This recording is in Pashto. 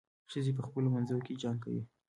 ښځې په خپلو منځو کې جنګ کوي.